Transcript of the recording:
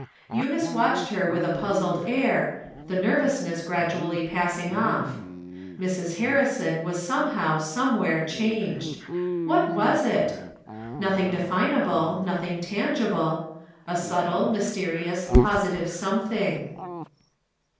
Eunice watched her with a puzzled air, the nervousness gradually passing off. Mrs. Harri son was somehow somewhere changed. What was it ? Xothing definable, nothing tangible — a subtle, mysterious, positive something.